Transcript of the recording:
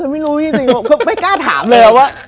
เออมันไม่กล้าถามเลยอะ